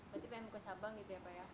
berarti pengen ke sabang gitu ya pak ya